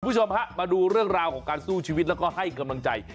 คุณผู้ชมฮะมาดูเรื่องราวของการสู้ชีวิตแล้วก็ให้กำลังใจ